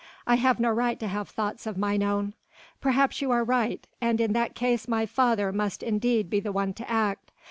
I have no right to have thoughts of mine own. Perhaps you are right, and in that case my father must indeed be the one to act.